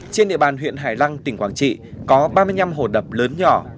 trên địa bàn huyện hải lăng tỉnh quảng trị có ba mươi năm hồ đập lớn nhỏ